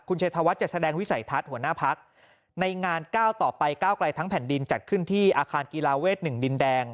ชัยธวัฒน์จะแสดงวิสัยทัศน์หัวหน้าพักในงานก้าวต่อไปก้าวไกลทั้งแผ่นดินจัดขึ้นที่อาคารกีฬาเวท๑ดินแดง